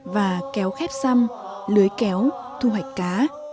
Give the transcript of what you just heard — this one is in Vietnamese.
và kéo khép xăm lưới kéo thu hoạch cá